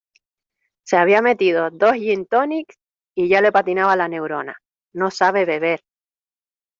Se había metido dos gintonics y ya le patinaba la neurona; no sabe beber.